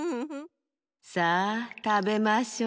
さあたべましょう。